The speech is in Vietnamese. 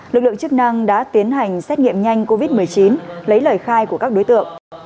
lực lượng chức năng đã tiến hành xét nghiệm nhanh covid một mươi chín lấy lời khai của các đối tượng